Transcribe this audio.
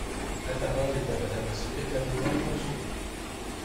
La parole est à Madame la secrétaire d’État pour le soutenir.